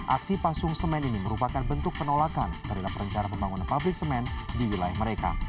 aksi pasung semen ini merupakan bentuk penolakan terhadap rencana pembangunan pabrik semen di wilayah mereka